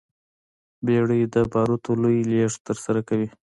بیړۍ د بارونو لوی لېږد ترسره کوي.